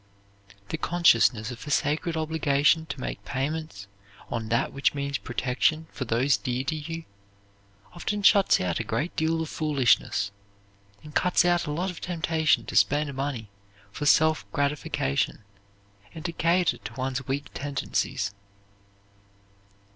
The consciousness of a sacred obligation to make payments on that which means protection for those dear to you often shuts out a great deal of foolishness, and cuts out a lot of temptation to spend money for self gratification and to cater to one's weak tendencies.